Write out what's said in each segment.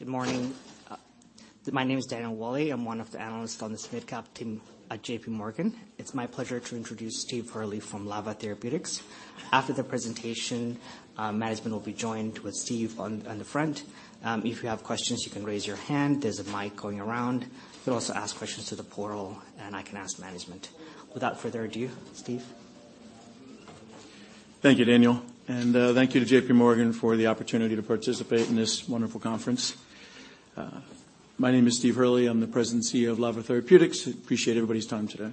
Good morning. My name is Eric Joseph. I'm one of the analysts on this mid-cap team at J.P. Morgan. It's my pleasure to introduce Stephen Hurly from LAVA Therapeutics. After the presentation, management will be joined with Stephen on the front. If you have questions, you can raise your hand. There's a mic going around. You can also ask questions through the portal, and I can ask management. Without further ado, Stephen. Thank you, Daniel, thank you to J.P. Morgan for the opportunity to participate in this wonderful conference. My name is Stephen Hurly. I'm the President and CEO of LAVA Therapeutics. I appreciate everybody's time today.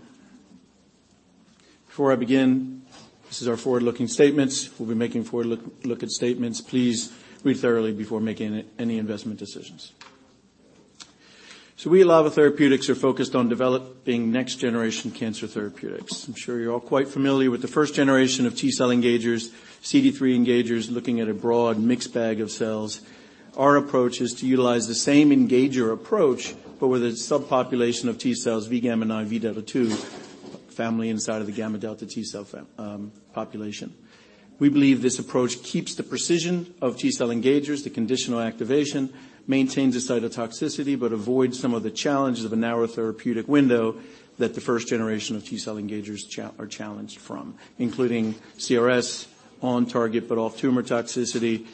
Before I begin, this is our forward-looking statements. We'll be making forward-looking statements. Please read thoroughly before making any investment decisions. We at LAVA Therapeutics are focused on developing next-generation cancer therapeutics. I'm sure you're all quite familiar with the first generation of T-cell engagers, CD3 engagers, looking at a broad mixed bag of cells. Our approach is to utilize the same engager approach, but with a subpopulation of T-cells, Vgamma-9, Vdelta-2 family inside of the gammadelta T-cell population. We believe this approach keeps the precision of T-cell engagers, the conditional activation, maintains the cytotoxicity, but avoids some of the challenges of a narrow therapeutic window that the first generation of T-cell engagers are challenged from, including CRS on target, but off-tumor toxicity,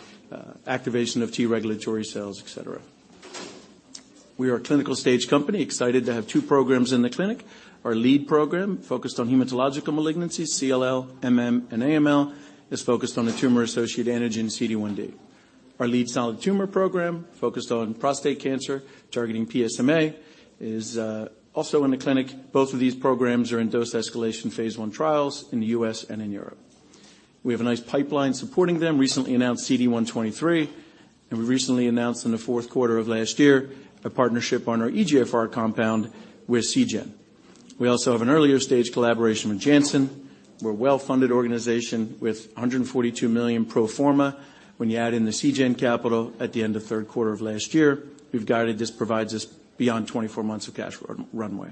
activation of T-regulatory cells, et cetera. We are a clinical stage company, excited to have two programs in the clinic. Our lead program focused on hematological malignancies, CLL, MM, and AML, is focused on the tumor-associated antigen CD1d. Our lead solid tumor program focused on prostate cancer targeting PSMA is also in the clinic. Both of these programs are in dose escalation Phase I trials in the U.S. and in Europe. We have a nice pipeline supporting them, recently announced CD123. We recently announced in the fourth quarter of last year a partnership on our EGFR compound with Seagen. We also have an earlier stage collaboration with Janssen. We're a well-funded organization with $142 million pro forma. When you add in the Seagen capital at the end of third quarter of last year, we've guided this provides us beyond 24 months of cash runway.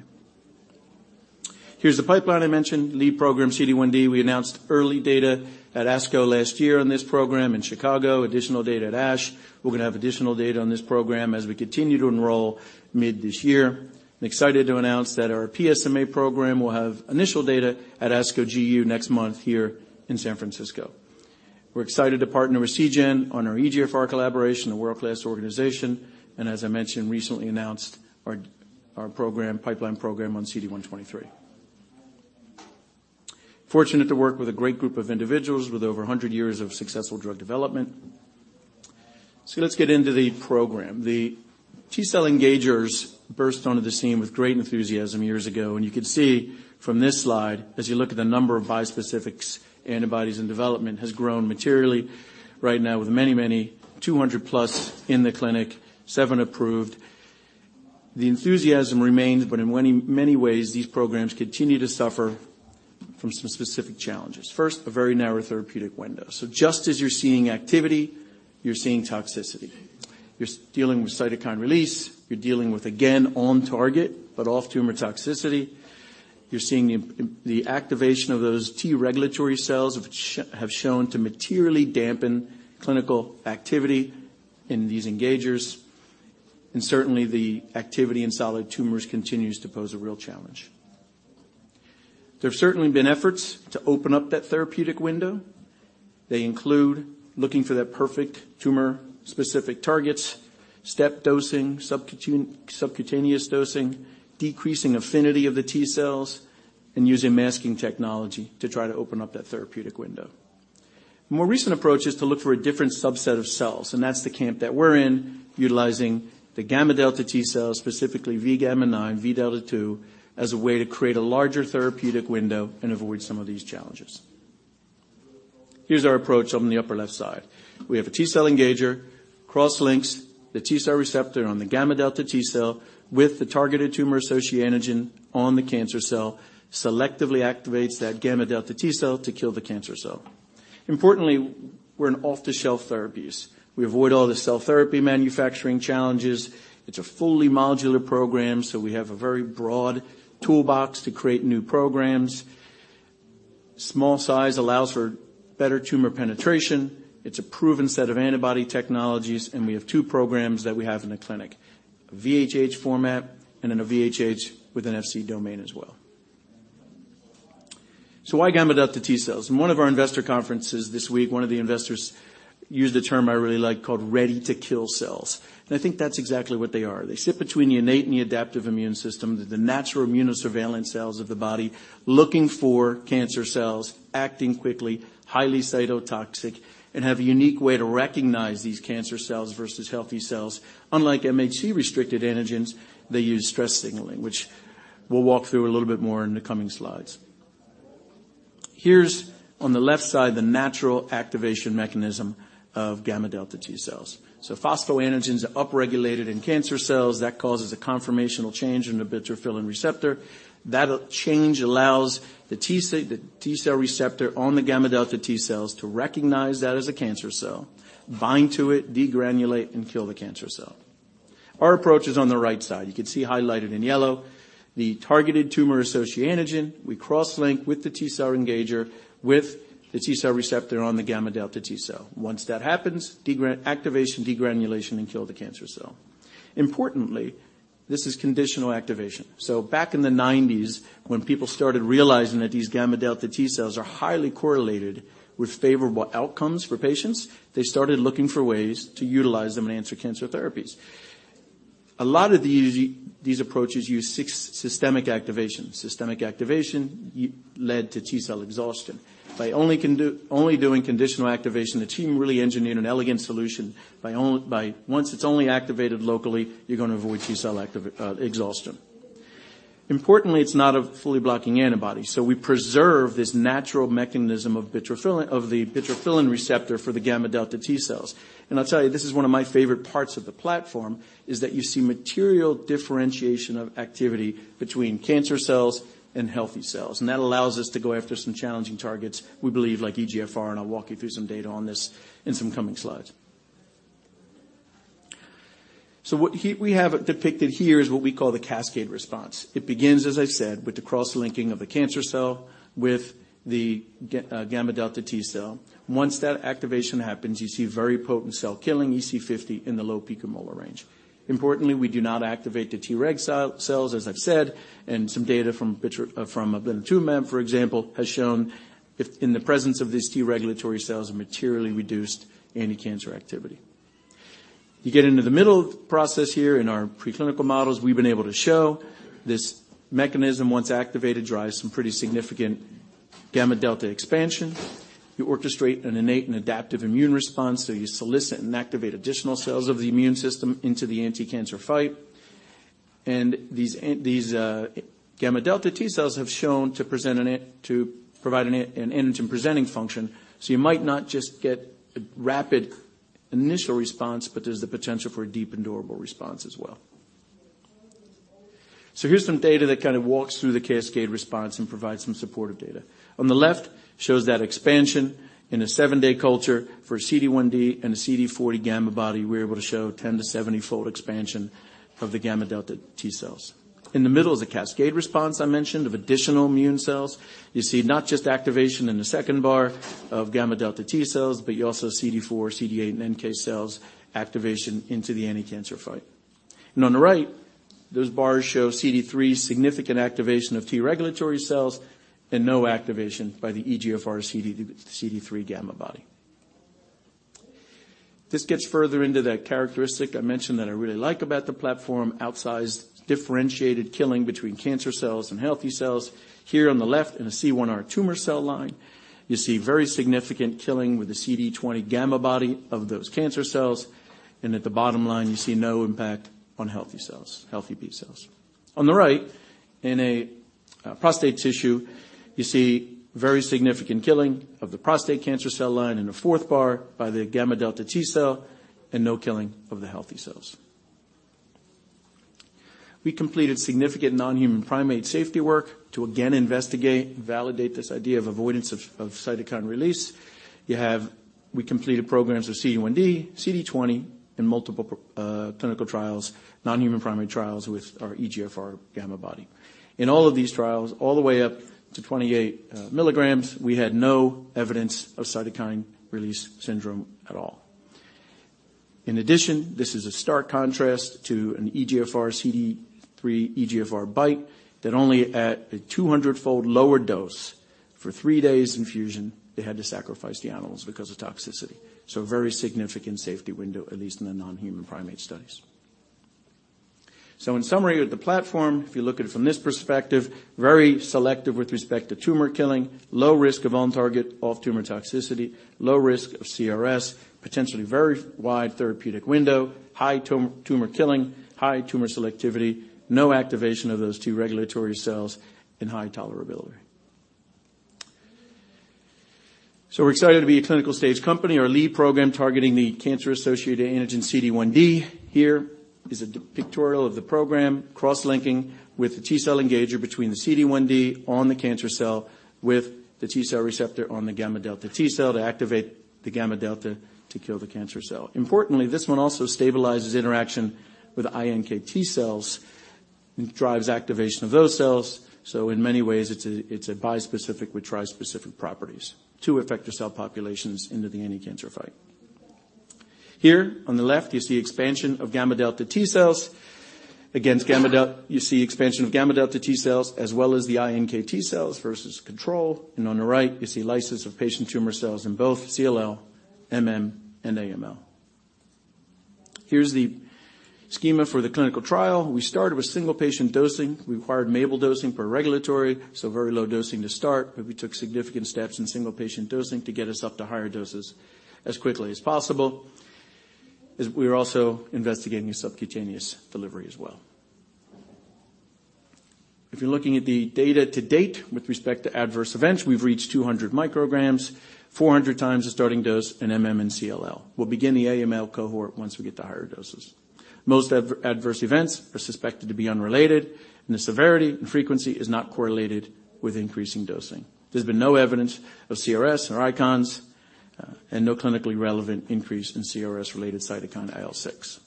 Here's the pipeline I mentioned. Lead program, CD1d. We announced early data at ASCO last year on this program in Chicago, additional data at ASH. We're gonna have additional data on this program as we continue to enroll mid this year. I'm excited to announce that our PSMA program will have initial data at ASCO GU next month here in San Francisco. We're excited to partner with Seagen on our EGFR collaboration, a world-class organization, and as I mentioned, recently announced our program, pipeline program on CD123. Fortunate to work with a great group of individuals with over 100 years of successful drug development. Let's get into the program. The T-cell engagers burst onto the scene with great enthusiasm years ago. You can see from this slide, as you look at the number of bispecifics, antibodies, and development has grown materially right now with many 200+ in the clinic, seven approved. The enthusiasm remains, but in many ways, these programs continue to suffer from some specific challenges. First, a very narrow therapeutic window. Just as you're seeing activity, you're seeing toxicity. You're dealing with cytokine release. You're dealing with, again, on target, but off-tumor toxicity. You're seeing the activation of those T-regulatory cells have shown to materially dampen clinical activity in these engagers. Certainly, the activity in solid tumors continues to pose a real challenge. There have certainly been efforts to open up that therapeutic window. They include looking for that perfect tumor-specific targets, step dosing, subcutaneous dosing, decreasing affinity of the T-cells, and using masking technology to try to open up that therapeutic window. More recent approach is to look for a different subset of cells. That's the camp that we're in, utilizing the gammadelta T-cells, specifically Vgamma-9, Vdelta-2, as a way to create a larger therapeutic window and avoid some of these challenges. Here's our approach on the upper left side. We have a T-cell engager, cross-links the T-cell receptor on the gammadelta T-cell with the targeted tumor-associated antigen on the cancer cell, selectively activates that gammadelta T-cell to kill the cancer cell. Importantly, we're an off-the-shelf therapies. We avoid all the cell therapy manufacturing challenges. It's a fully modular program, so we have a very broad toolbox to create new programs. Small size allows for better tumor penetration. It's a proven set of antibody technologies, and we have two programs that we have in the clinic, VHH format and in a VHH with an Fc domain as well. Why gammadelta T-cells? In one of our investor conferences this week, one of the investors used a term I really like called ready-to-kill cells, and I think that's exactly what they are. They sit between the innate and the adaptive immune system, the natural immunosurveillance cells of the body, looking for cancer cells, acting quickly, highly cytotoxic, and have a unique way to recognize these cancer cells versus healthy cells. Unlike MHC-restricted antigens, they use stress signaling, which we'll walk through a little bit more in the coming slides. Here's, on the left side, the natural activation mechanism of gammadelta T-cells. Phosphoantigens are upregulated in cancer cells. That causes a conformational change in the Butyrophilin receptor. That change allows the T-cell receptor on the gammadelta T-cells to recognize that as a cancer cell, bind to it, degranulate, and kill the cancer cell. Our approach is on the right side. You can see highlighted in yellow the targeted tumor-associated antigen. We cross-link with the T-cell engager with the T-cell receptor on the gammadelta T-cell. Once that happens, activation, degranulation, and kill the cancer cell. Importantly, this is conditional activation. Back in the nineties, when people started realizing that these gammadelta T-cells are highly correlated with favorable outcomes for patients, they started looking for ways to utilize them in anti-cancer therapies. A lot of these approaches use systemic activation. Systemic activation led to T-cell exhaustion. By only doing conditional activation, the team really engineered an elegant solution by once it's only activated locally, you're gonna avoid T-cell exhaustion. Importantly, it's not a fully blocking antibody, so we preserve this natural mechanism of the Butyrophilin receptor for the gammadelta T-cells. I'll tell you, this is one of my favorite parts of the platform, is that you see material differentiation of activity between cancer cells and healthy cells, and that allows us to go after some challenging targets, we believe, like EGFR, and I'll walk you through some data on this in some coming slides. What we have depicted here is what we call the cascade response. It begins, as I said, with the cross-linking of the cancer cell with the gamma delta T cell. Once that activation happens, you see very potent cell killing, EC50 in the low picomolar range. Importantly, we do not activate the T-reg cells, as I've said, and some data from blinatumomab, for example, has shown if in the presence of these T regulatory cells, a materially reduced anti-cancer activity. You get into the middle process here in our preclinical models. We've been able to show this mechanism, once activated, drives some pretty significant gamma delta expansion. You orchestrate an innate and adaptive immune response, you solicit and activate additional cells of the immune system into the anticancer fight. These gammadelta T cells have shown to present to provide an antigen-presenting function. You might not just get a rapid initial response, but there's the potential for a deep and durable response as well. Here's some data that kind of walks through the cascade response and provides some supportive data. On the left shows that expansion in a seven-day culture for CD1d and a CD40 Gammabody, we're able to show 10- to 70-fold expansion of the gammadelta T cells. In the middle is a cascade response I mentioned of additional immune cells. You see not just activation in the second bar of gammadelta T-cells, but you also see CD4, CD8, and NK cells activation into the anticancer fight. On the right, those bars show CD3 significant activation of T-regulatory cells and no activation by the EGFR CD3 Gammabody. This gets further into that characteristic I mentioned that I really like about the platform, outsized differentiated killing between cancer cells and healthy cells. Here on the left, in a C1R tumor cell line, you see very significant killing with the CD20 Gammabody of those cancer cells, at the bottom line, you see no impact on healthy cells, healthy B cells. On the right, in a prostate tissue, you see very significant killing of the prostate cancer cell line in the fourth bar by the gammadelta T-cell and no killing of the healthy cells. We completed significant non-human primate safety work to again investigate and validate this idea of avoidance of cytokine release. We completed programs with CD1d, CD20, and multiple clinical trials, non-human primate trials with our EGFR Gammabody. In all of these trials, all the way up to 28 milligrams, we had no evidence of cytokine release syndrome at all. In addition, this is a stark contrast to an EGFR CD3 EGFR BiTE that only at a 200-fold lower dose for three days infusion, they had to sacrifice the animals because of toxicity. A very significant safety window, at least in the non-human primate studies. In summary, the platform, if you look at it from this perspective, very selective with respect to tumor killing, low risk of on-target off-tumor toxicity, low risk of CRS, potentially very wide therapeutic window, high tumor killing, high tumor selectivity, no activation of those T-regulatory cells, and high tolerability. We're excited to be a clinical stage company. Our lead program targeting the cancer-associated antigen CD1d. Here is a pictorial of the program cross-linking with the T-cell engager between the CD1d on the cancer cell with the T-cell receptor on the gamma-delta T-cell to activate the gamma delta to kill the cancer cell. Importantly, this one also stabilizes interaction with iNKT cells and drives activation of those cells. In many ways, it's a bispecific with trispecific properties. Two effector cell populations into the anticancer fight. Here on the left, you see expansion of gammadelta T-cells. You see expansion of gammadelta T-cells as well as the iNKT cells versus control. On the right, you see lysis of patient tumor cells in both CLL, MM, and AML. Here's the schema for the clinical trial. We started with single patient dosing. We required MABEL dosing per regulatory, so very low dosing to start, but we took significant steps in single patient dosing to get us up to higher doses as quickly as possible. We are also investigating subcutaneous delivery as well. If you're looking at the data to date with respect to adverse events, we've reached 200 micrograms, 400 times the starting dose in MM and CLL. We'll begin the AML cohort once we get to higher doses. Most adverse events are suspected to be unrelated, and the severity and frequency is not correlated with increasing dosing. There's been no evidence of CRS or ICANS. No clinically relevant increase in CRS-related cytokine IL-6.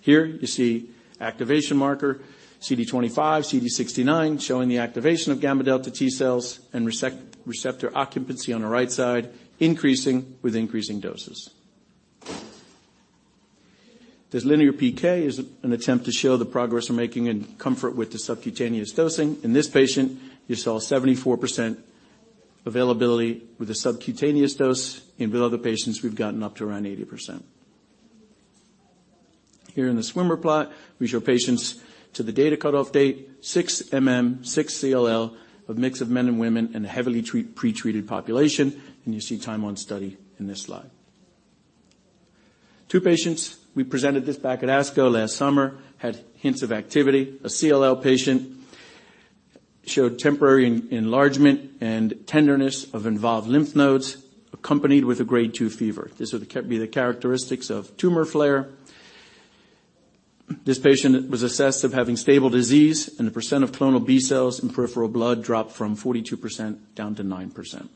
Here you see activation marker CD25, CD69 showing the activation of gammadelta T-cells and receptor occupancy on the right side increasing with increasing doses. This linear PK is an attempt to show the progress we're making in comfort with the subcutaneous dosing. In this patient, you saw 74% availability with a subcutaneous dose. With other patients, we've gotten up to around 80%. Here in the swimmer plot, we show patients to the data cutoff date, six MM, six CLL of mix of men and women in a heavily pretreated population, and you see time on study in this slide. Two patients, we presented this back at ASCO last summer, had hints of activity. A CLL patient showed temporary enlargement and tenderness of involved lymph nodes accompanied with a grade two fever. This would be the characteristics of tumor flare. This patient was assessed of having stable disease, and the percent of clonal B-cells in peripheral blood dropped from 42% down to 9%.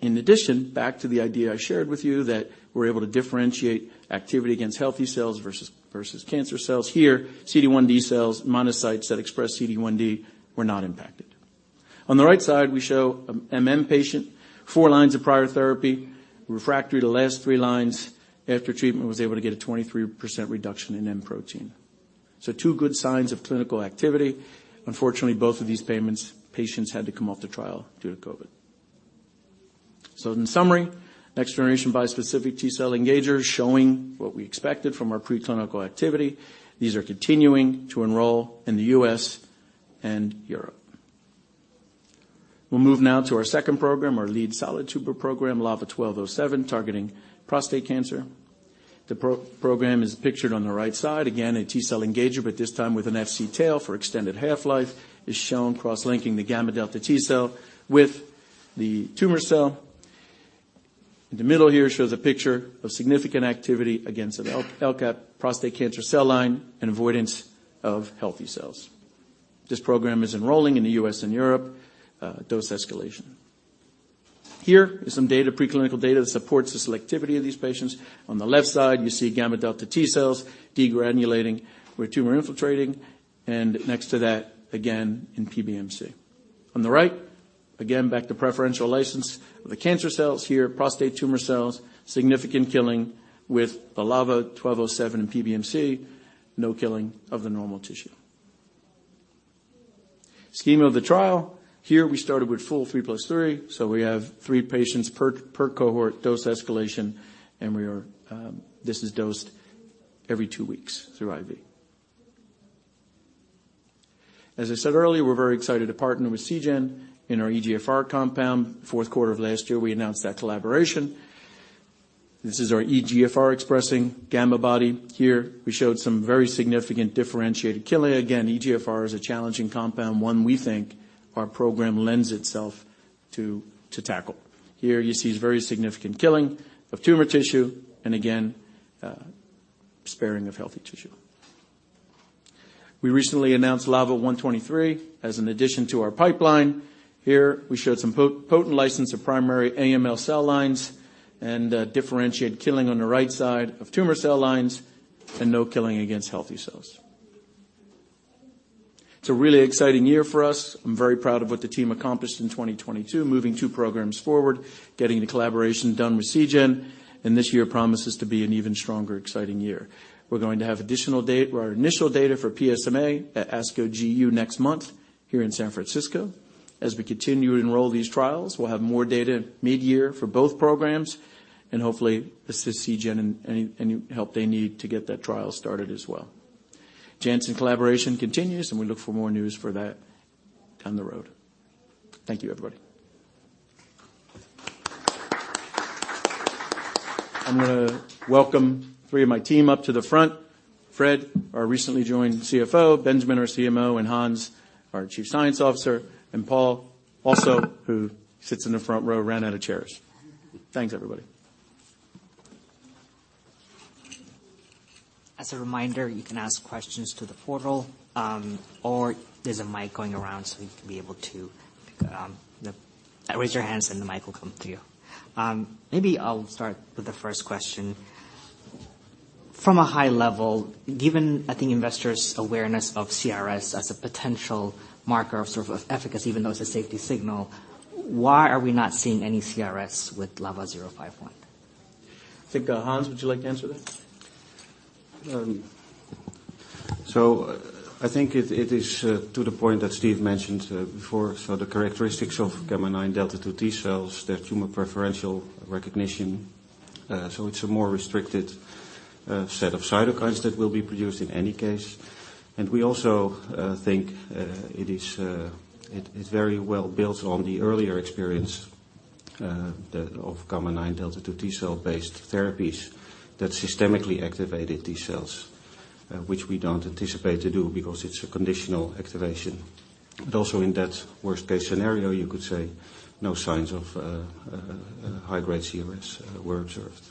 In addition, back to the idea I shared with you that we're able to differentiate activity against healthy cells versus cancer cells. Here, CD1d cells, monocytes that express CD1d were not impacted. On the right side, we show MM patient, four lines of prior therapy, refractory to last three lines after treatment, was able to get a 23% reduction in M protein. Two good signs of clinical activity. Unfortunately, both of these patients had to come off the trial due to COVID. In summary, next generation bispecific T-cell engager showing what we expected from our preclinical activity. These are continuing to enroll in the U.S. and Europe. We'll move now to our second program, our lead solid tumor program, LAVA-1207, targeting prostate cancer. The program is pictured on the right side. Again, a T-cell engager, but this time with an Fc domain for extended half-life, is shown cross-linking the gammadelta T-cell with the tumor cell. In the middle here shows a picture of significant activity against an LCA prostate cancer cell line and avoidance of healthy cells. This program is enrolling in the U.S. and Europe, dose escalation. Here is some data, preclinical data that supports the selectivity of these patients. On the left side, you see gammadelta T-cells degranulating with tumor infiltrating, and next to that, again, in PBMC. On the right, again, back to preferential lysis of the cancer cells here, prostate tumor cells, significant killing with the LAVA-1207 in PBMC, no killing of the normal tissue. Schema of the trial. Here we started with full 3+3, so we have three patients per cohort dose escalation. We are dosed every two weeks through IV. As I said earlier, we're very excited to partner with Seagen in our EGFR compound. Fourth quarter of last year, we announced that collaboration. This is our EGFR expressing Gammabody. Here we showed some very significant differentiated killing. EGFR is a challenging compound, one we think our program lends itself to tackle. Here you see very significant killing of tumor tissue and again, sparing of healthy tissue. We recently announced LAVA-123 as an addition to our pipeline. Here we showed some potent lysis of primary AML cell lines and differentiate killing on the right side of tumor cell lines and no killing against healthy cells. It's a really exciting year for us. I'm very proud of what the team accomplished in 2022, moving two programs forward, getting the collaboration done with Seagen. This year promises to be an even stronger, exciting year. We're going to have initial data for PSMA at ASCO GU next month here in San Francisco. As we continue to enroll these trials, we'll have more data mid-year for both programs and hopefully assist Seagen in any help they need to get that trial started as well. Janssen collaboration continues. We look for more news for that down the road. Thank you, everybody. I'm gonna welcome three of my team up to the front. Fred, our recently joined CFO, Benjamin, our CMO, and Hans, our Chief Science Officer, and Paul also, who sits in the front row, ran out of chairs. Thanks, everybody. As a reminder, you can ask questions to the portal, or there's a mic going around, so you can be able to, raise your hands and the mic will come to you. Maybe I'll start with the first question. From a high level, given I think investors' awareness of CRS as a potential marker of sort of efficacy even though it's a safety signal, why are we not seeing any CRS with LAVA zero five one? I think, Hans, would you like to answer that? I think it is to the point that Steve mentioned before. The characteristics of Gamma nine Delta two T-cells, their tumor preferential recognition, so it's a more restricted set of cytokines that will be produced in any case. We also think it is very well built on the earlier experience of Gamma nine Delta two T-cell-based therapies that systemically activated T-cells, which we don't anticipate to do because it's a conditional activation. Also in that worst case scenario, you could say no signs of high-grade CRS were observed.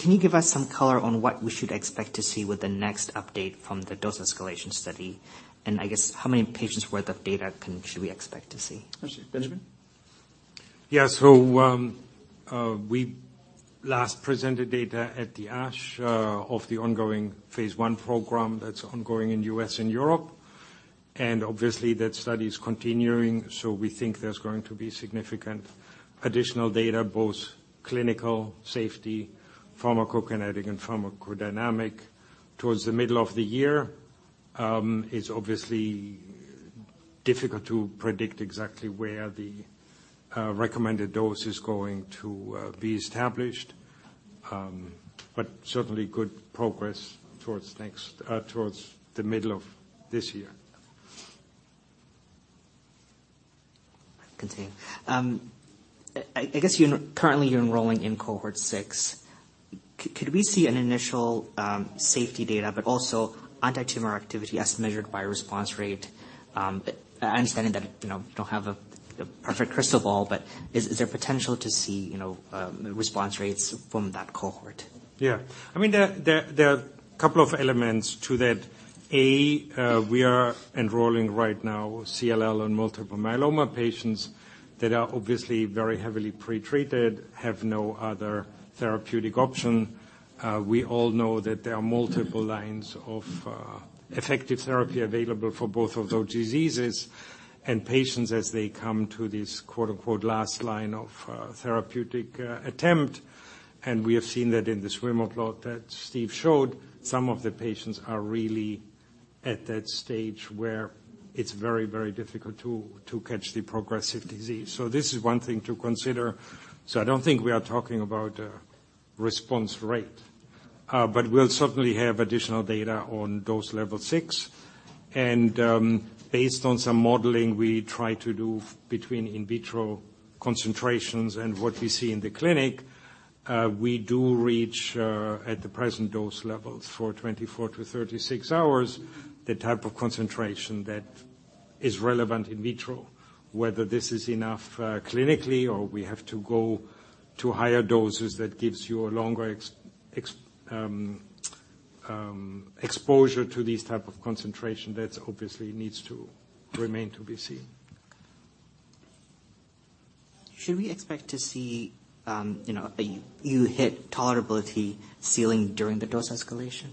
Can you give us some color on what we should expect to see with the next update from the dose escalation study? I guess how many patients worth of data should we expect to see? I see. Benjamin? Yeah. We last presented data at the ASH of the ongoing phase I program that's ongoing in U.S. and Europe, and obviously that study is continuing, so we think there's going to be significant additional data, both clinical, safety, pharmacokinetic, and pharmacodynamic towards the middle of the year. It's obviously difficult to predict exactly where the recommended dose is going to be established. Certainly good progress towards next towards the middle of this year. Continue. I guess you're currently enrolling in cohort six. Could we see an initial safety data but also anti-tumor activity as measured by response rate, but understanding that, you know, don't have a perfect crystal ball, but is there potential to see, you know, response rates from that cohort? Yeah. I mean, there are a couple of elements to that. We are enrolling right now CLL and multiple myeloma patients that are obviously very heavily pre-treated, have no other therapeutic option. We all know that there are multiple lines of effective therapy available for both of those diseases and patients as they come to this quote-unquote last line of therapeutic attempt. We have seen that in the swimmer plot that Steve showed, some of the patients are really at that stage where it's very, very difficult to catch the progressive disease. This is one thing to consider. I don't think we are talking about response rate, but we'll certainly have additional data on dose level six. Based on some modeling we try to do between in vitro concentrations and what we see in the clinic, we do reach at the present dose levels for 24-36 hours, the type of concentration that is relevant in vitro. Whether this is enough, clinically or we have to go to higher doses that gives you a longer exposure to these type of concentration, that obviously needs to remain to be seen. Should we expect to see, you know, you hit tolerability ceiling during the dose escalation?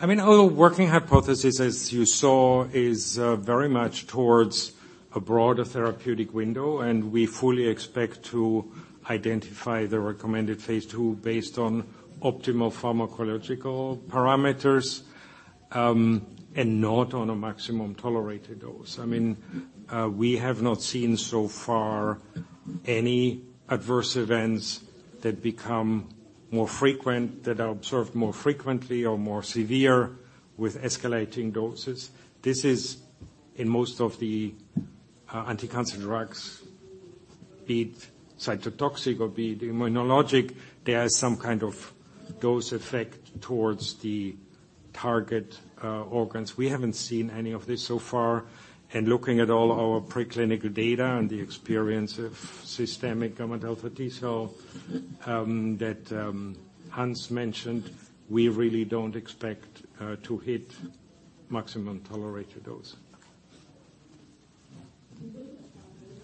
I mean, our working hypothesis, as you saw, is very much towards a broader therapeutic window, and we fully expect to identify the recommended phase II based on optimal pharmacological parameters, and not on a maximum tolerated dose. I mean, we have not seen so far any adverse events that become more frequent, that are observed more frequently or more severe with escalating doses. This is in most of the anti-cancer drugs, be it cytotoxic or be it immunologic, there is some kind of dose effect towards the target organs. We haven't seen any of this so far. Looking at all our preclinical data and the experience of systemic gammadelta T-cell, that Hans mentioned, we really don't expect to hit maximum tolerated dose.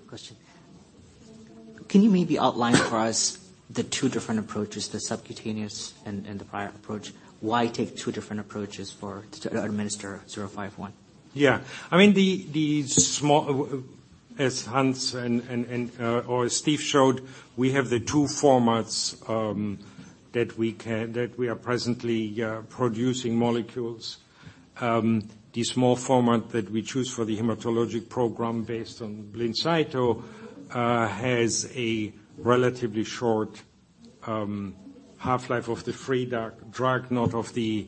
Question. Can you maybe outline for us the two different approaches, the subcutaneous and the prior approach? Why take two different approaches to administer LAVA-051? I mean, the small As Hans and, or as Steve showed, we have the two formats that we are presently producing molecules. The small format that we choose for the hematologic program based on Blincyto has a relatively short half-life of the free dar-drug, not of the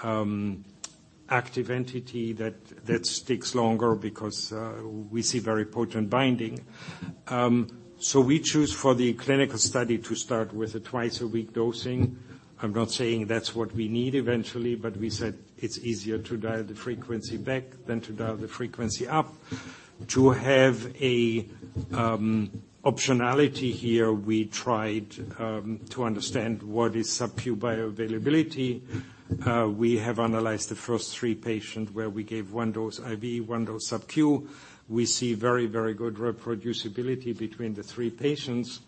active entity that sticks longer because we see very potent binding. We choose for the clinical study to start with a twice-a-week dosing. I'm not saying that's what we need eventually, but we said it's easier to dial the frequency back than to dial the frequency up. To have optionality here, we tried to understand what is SubQ bioavailability. We have analyzed the first three patient where we gave one dose IV, one dose SubQ. We see very, very good reproducibility between the three patients.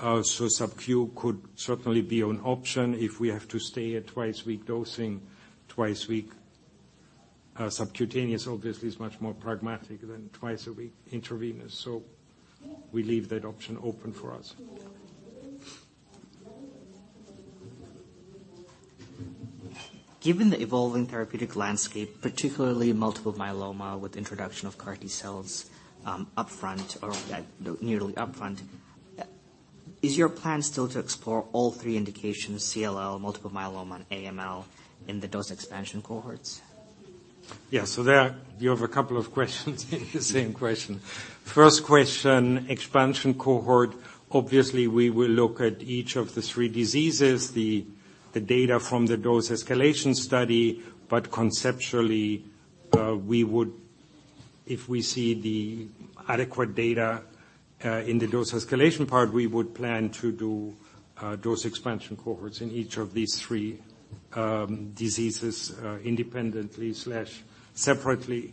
SubQ could certainly be an option if we have to stay at twice-a-week dosing. Twice-a-week, subcutaneous obviously is much more pragmatic than twice-a-week intravenous. We leave that option open for us. Given the evolving therapeutic landscape, particularly multiple myeloma with introduction of CAR T-cells, upfront or at nearly upfront, is your plan still to explore all three indications, CLL, multiple myeloma, and AML, in the dose expansion cohorts? There you have a couple of questions in the same question. First question, expansion cohort. Obviously, we will look at each of the three diseases, the data from the dose escalation study, but conceptually, If we see the adequate data in the dose escalation part, we would plan to do dose expansion cohorts in each of these three diseases independently/separately.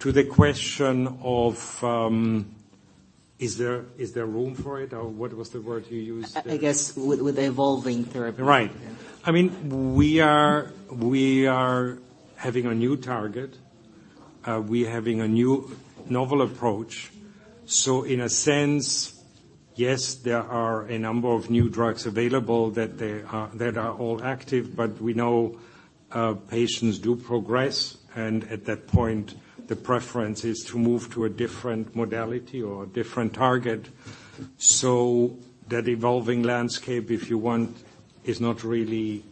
To the question of, is there room for it, or what was the word you used? I guess with evolving therapy. Right. I mean, we are having a new target. We're having a new novel approach. In a sense, yes, there are a number of new drugs available that are all active, but we know patients do progress, and at that point, the preference is to move to a different modality or a different target. That evolving landscape, if you want, is not really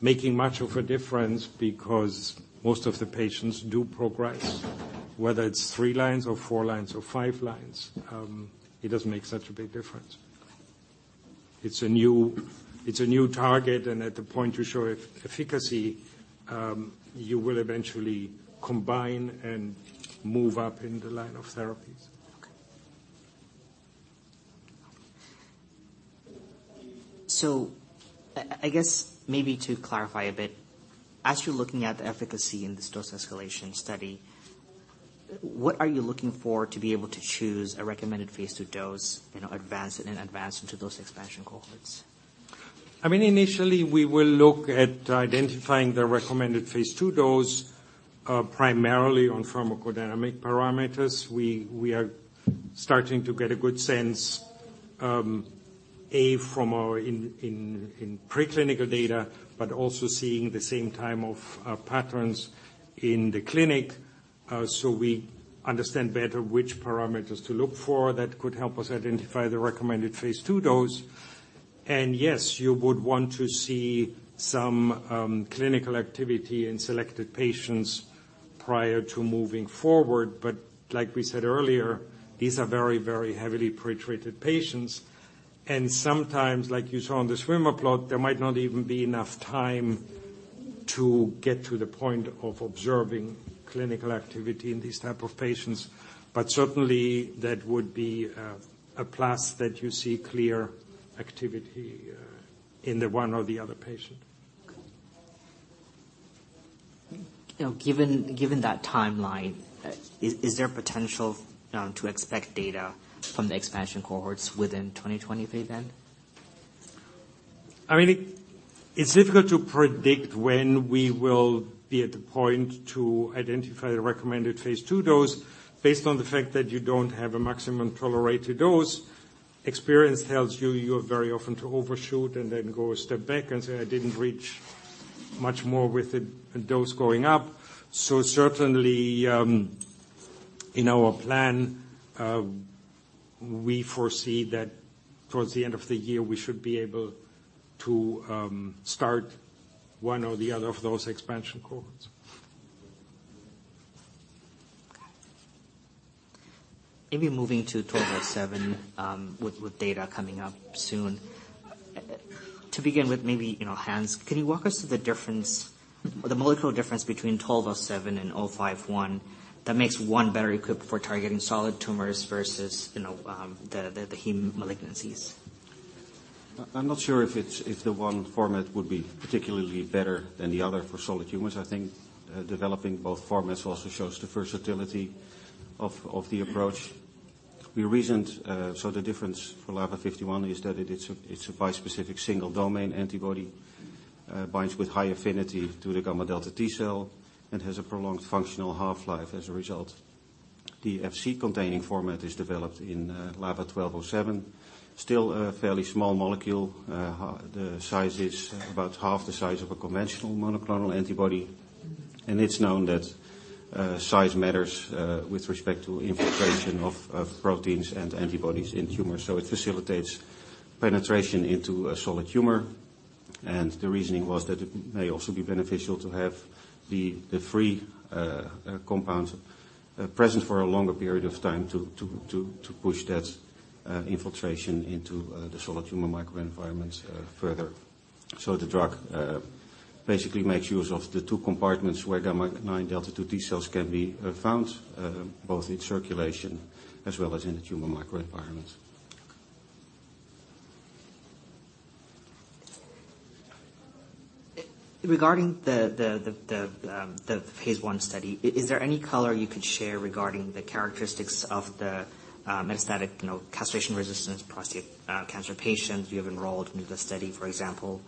making much of a difference because most of the patients do progress, whether it's three lines or four lines or five lines. It doesn't make such a big difference. It's a new target, and at the point you show efficacy, you will eventually combine and move up in the line of therapies. I guess maybe to clarify a bit, as you're looking at the efficacy in this dose escalation study, what are you looking for to be able to choose a recommended phase II dose, you know, advance it and advance into those expansion cohorts? I mean, initially, we will look at identifying the recommended phase II dose, primarily on pharmacodynamic parameters. We are starting to get a good sense from our in preclinical data, but also seeing the same time of patterns in the clinic, we understand better which parameters to look for that could help us identify the recommended phase II dose. Yes, you would want to see some clinical activity in selected patients prior to moving forward. Like we said earlier, these are very heavily pre-treated patients, and sometimes, like you saw on the swimmer plot, there might not even be enough time to get to the point of observing clinical activity in these type of patients. Certainly, that would be a plus that you see clear activity in the one or the other patient. Okay. You know, given that timeline, is there potential to expect data from the expansion cohorts within 2023 then? I mean, it's difficult to predict when we will be at the point to identify the recommended phase II dose based on the fact that you don't have a maximum tolerated dose. Experience tells you're very often to overshoot and then go a step back and say, "I didn't reach much more with the dose going up." Certainly, in our plan, we foresee that towards the end of the year, we should be able to start one or the other of those expansion cohorts. Got it. Maybe moving to 1207, with data coming up soon. To begin with, maybe, you know, Hans, can you walk us through the difference or the molecular difference between 1207 and 051 that makes one better equipped for targeting solid tumors versus, you know, the heme malignancies? I'm not sure if the one format would be particularly better than the other for solid tumors. I think developing both formats also shows the versatility of the approach. We reasoned, so the difference for LAVA-051 is that it's a bispecific single domain antibody, binds with high affinity to the gammadelta T-cell and has a prolonged functional half-life as a result. The Fc containing format is developed in LAVA-1207, still a fairly small molecule. The size is about half the size of a conventional monoclonal antibody, and it's known that size matters with respect to infiltration of proteins and antibodies in tumors. It facilitates penetration into a solid tumor, and the reasoning was that it may also be beneficial to have the free compounds present for a longer period of time to push that infiltration into the solid tumor microenvironments further. The drug basically makes use of the two compartments where gamma nine delta two T-cells can be found both in circulation as well as in the tumor microenvironment. Okay. Regarding the phase I study, is there any color you could share regarding the characteristics of the metastatic, you know, castration-resistant prostate cancer patients you have enrolled into the study? For example,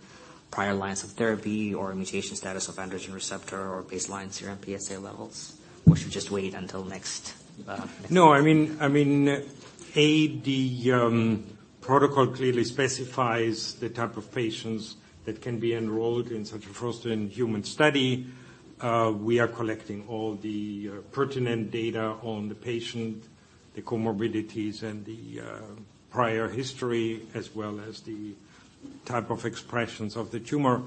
prior lines of therapy or mutation status of androgen receptor or baseline serum PSA levels, or we should just wait until next? No, I mean, the protocol clearly specifies the type of patients that can be enrolled in such a first-in-human study. We are collecting all the pertinent data on the patient, the comorbidities and the prior history, as well as the type of expressions of the tumor.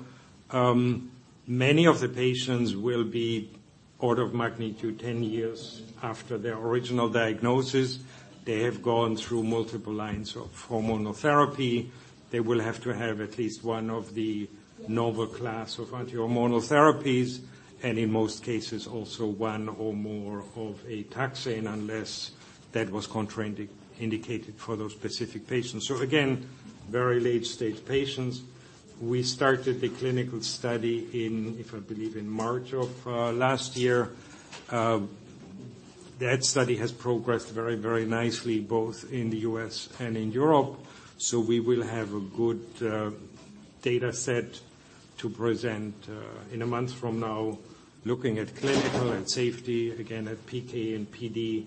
Many of the patients will be order of magnitude 10 years after their original diagnosis. They have gone through multiple lines of hormonal therapy. They will have to have at least one of the novel class of anti-hormonal therapies, and in most cases, also one or more of a taxane, unless that was contraindicated for those specific patients. Again, very late-stage patients. We started the clinical study in, if I believe, in March of last year. That study has progressed very, very nicely, both in the U.S. and in Europe. We will have a good, data set to present, in a month from now, looking at clinical and safety, again, at PK and PD,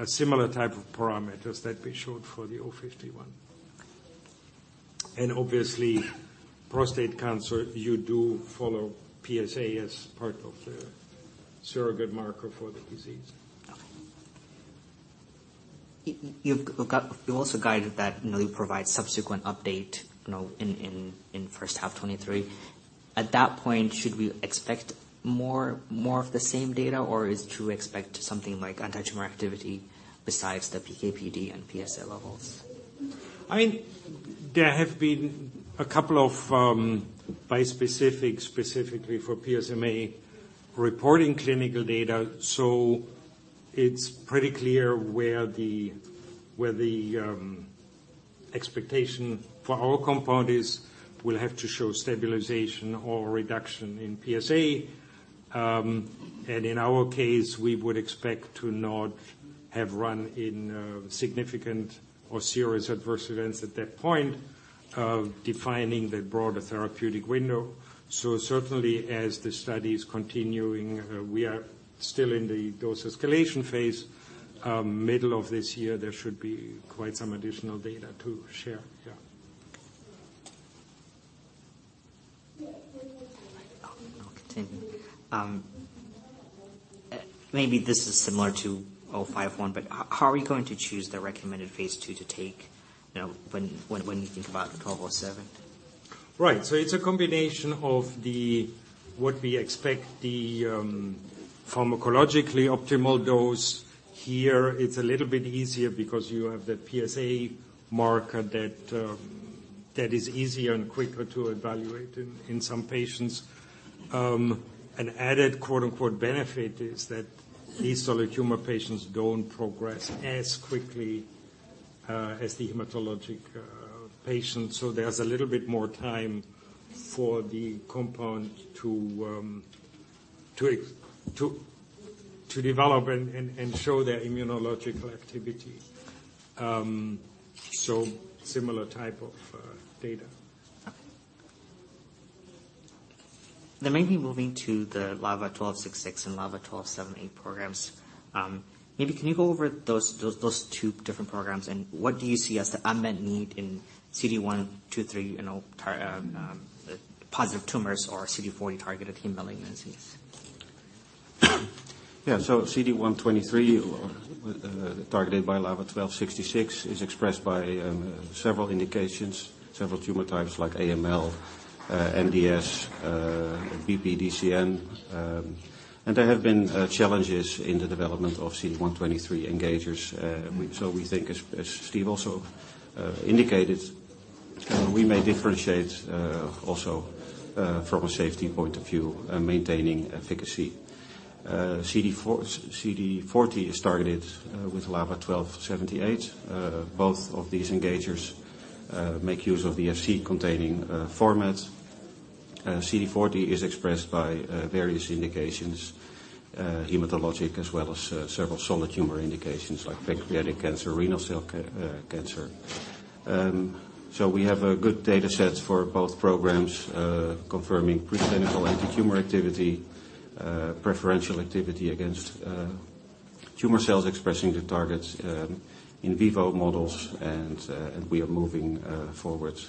a similar type of parameters that we showed for the LAVA-051. Obviously, prostate cancer, you do follow PSA as part of the surrogate marker for the disease. Okay. You've you also guided that, you know, you provide subsequent update, you know, in first half 2023. At that point, should we expect more of the same data, or is to expect something like anti-tumor activity besides the PK/PD and PSA levels? I mean, there have been a couple of bispecifics, specifically for PSMA, reporting clinical data. It's pretty clear where the expectation for our compound is. We'll have to show stabilization or reduction in PSA. In our case, we would expect to not have run into significant or serious adverse events at that point, defining the broader therapeutic window. Certainly, as the study is continuing, we are still in the dose escalation phase. Middle of this year, there should be quite some additional data to share. Yeah. I'll continue. Maybe this is similar to LAVA-051, how are we going to choose the recommended phase II to take, you know, when you think about the LAVA-1207? Right. It's a combination of the, what we expect the pharmacologically optimal dose. Here it's a little bit easier because you have the PSA marker that is easier and quicker to evaluate in some patients. An added quote-unquote "benefit" is that these solid tumor patients don't progress as quickly as the hematologic patients. There's a little bit more time for the compound to develop and show their immunological activity. Similar type of data. Okay. Maybe moving to the LAVA-1266 and LAVA-1278 programs. Maybe can you go over those two different programs, and what do you see as the unmet need in CD123, you know, tar positive tumors or CD40 targeted heme malignancies? CD123 targeted by LAVA-1266 is expressed by several indications, several tumor types like AML, MDS, BPDCN. There have been challenges in the development of CD123 engagers. We think as Steve also indicated, we may differentiate also from a safety point of view, maintaining efficacy. CD40 is targeted with LAVA-1278. Both of these engagers make use of the FC containing formats. CD40 is expressed by various indications, hematologic as well as several solid tumor indications like pancreatic cancer, renal cell cancer. We have good data sets for both programs, confirming preclinical anti-tumor activity, preferential activity against tumor cells expressing the targets, in vivo models. We are moving forward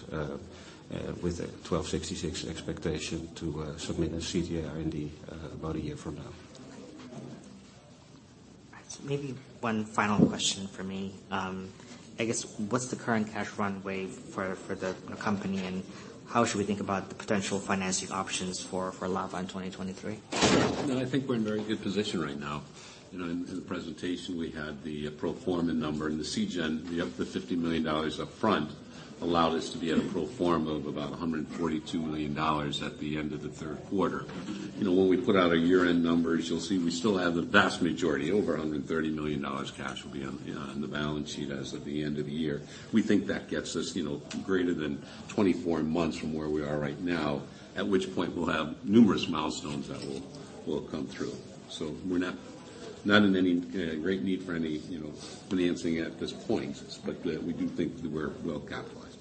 with LAVA-1266 expectation to submit a CTA RND about a year from now. Maybe one final question from me. I guess what's the current cash runway for the company, and how should we think about the potential financing options for LAVA in 2023? I think we're in very good position right now. You know, in the presentation, we had the pro forma number and the Seagen, the up to $50 million upfront allowed us to be at a pro forma of about $142 million at the end of the third quarter. You know, when we put out our year-end numbers, you'll see we still have the vast majority, over $130 million cash will be on the balance sheet as of the end of the year. We think that gets us, you know, greater than 24 months from where we are right now, at which point we'll have numerous milestones that will come through. We're not in any great need for any, you know, financing at this point. We do think that we're well capitalized.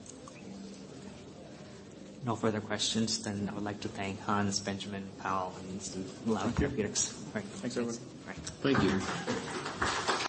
No further questions. I would like to thank Hans, Benjamin, Paul, and Steve. Thank you. We'll have a few minutes. All right. Thanks everyone. All right. Thank you.